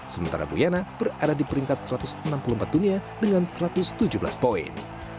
sementara buyana berada di peringkat satu ratus enam puluh empat dunia dengan satu ratus tujuh belas poin